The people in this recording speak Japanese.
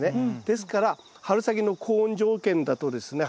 ですから春先の高温条件だとですね